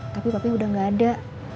tapi papi udah gak ada